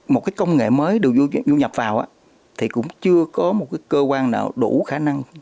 một cái công nghệ mới được du nhập vào thì cũng chưa có một cơ quan nào đủ khả năng